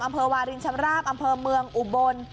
อำเภอวารินชราบอำเภอเมืองอุบล